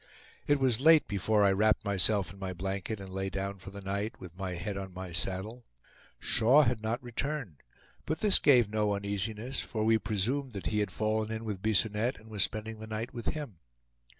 It was late before I wrapped myself in my blanket and lay down for the night, with my head on my saddle. Shaw had not returned, but this gave no uneasiness, for we presumed that he had fallen in with Bisonette, and was spending the night with him.